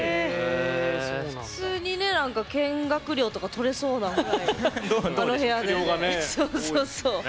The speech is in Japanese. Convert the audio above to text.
普通に見学料とか取れそうなぐらい、あの部屋で。